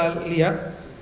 nah kalau kita lihat